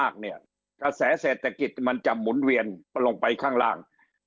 กระแสเศรษฐกิจมันจะหมุนเวียนลงไปข้างล่าง